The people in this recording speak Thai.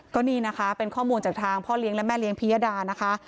ก็นี่นะคะเป็นข้อมูลจากทางพ่อเลี้ยงและแม่เลี้ยพิยดานะคะ